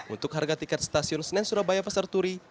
untuk harga tiket stasiun senen surabaya pasar turi